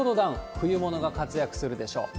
冬物が活躍するでしょう。